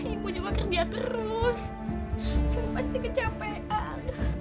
ibu juga kerja terus pasti kecapean